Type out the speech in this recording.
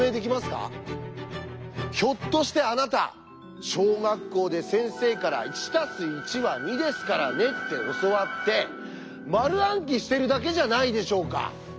ひょっとしてあなた小学校で先生から「１＋１は２ですからね」って教わって丸暗記してるだけじゃないでしょうか？